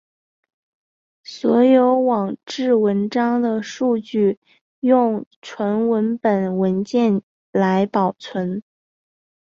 所有网志文章的数据用纯文本文件来保存。